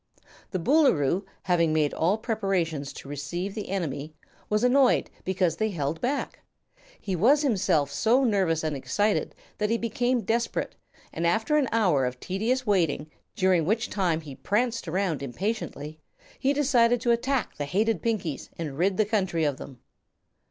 The Boolooroo, having made all preparations to receive the enemy, was annoyed because they held back. He was himself so nervous and excited that he became desperate and after an hour of tedious waiting, during which time he pranced around impatiently, he decided to attack the hated Pinkies and rid the country of them.